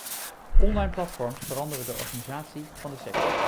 Online platforms veranderen de organisatie van de sector.